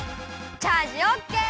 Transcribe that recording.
チャージオッケー！